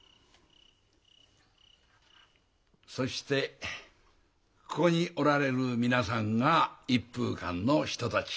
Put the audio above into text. そしてここにおられる皆さんが一風館の人たち。